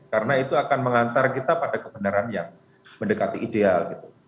karena itu akan mengantar kita pada kebenaran yang mendekati ideal gitu